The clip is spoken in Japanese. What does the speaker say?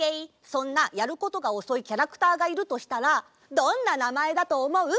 そんなやることがおそいキャラクターがいるとしたらどんななまえだとおもう？